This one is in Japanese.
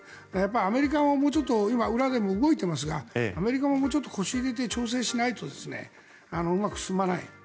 アメリカが裏でも動いていますがアメリカも、もうちょっと腰入れて調整しないとうまく進まない。